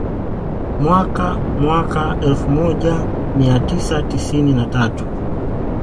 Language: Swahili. Mwaka mwaka elfu moja mia tisa tisini na tatu